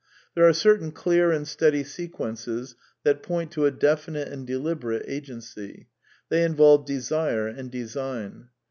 There are certain clear and steady se quences that point to a definite and deliberate agency ; they involve desire and design.